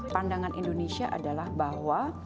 pandangan indonesia adalah bahwa